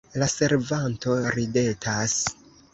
La servanto ridetas.